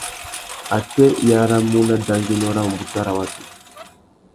Atê i aramú nà dangüiénô râ umbuta râ watu?